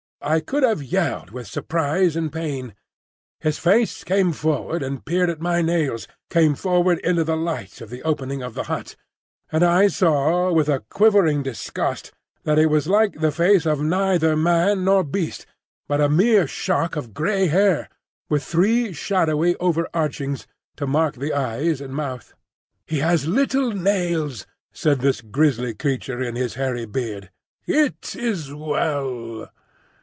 I could have yelled with surprise and pain. His face came forward and peered at my nails, came forward into the light of the opening of the hut and I saw with a quivering disgust that it was like the face of neither man nor beast, but a mere shock of grey hair, with three shadowy over archings to mark the eyes and mouth. "He has little nails," said this grisly creature in his hairy beard. "It is well."